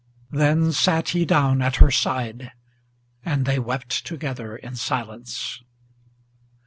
Then sat he down at her side, and they wept together in silence.